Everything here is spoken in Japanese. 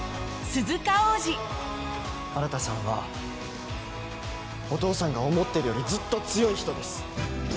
新さんはお父さんが思ってるよりずっと強い人です。